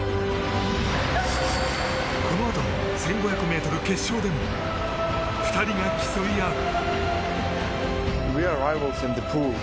このあとの１５００ｍ決勝でも２人が競い合う。